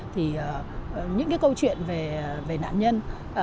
thì những cái câu chuyện về nạn nhân